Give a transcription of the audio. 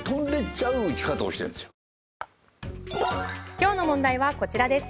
今日の問題はこちらです。